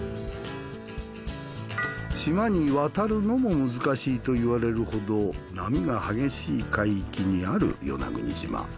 島に渡るのも難しいと言われるほど波が激しい海域にある与那国島。